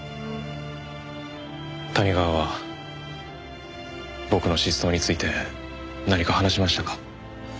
谷川は僕の失踪について何か話しましたか？